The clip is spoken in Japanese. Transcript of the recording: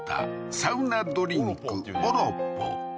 サウナドリンクオロポ